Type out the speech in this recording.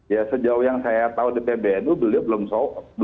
ya sejauh yang saya tahu di pbnu beliau belum tahu